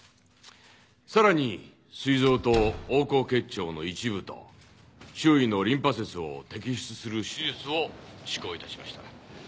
さらに膵臓と横行結腸の一部と周囲のリンパ節を摘出する手術を施行いたしました。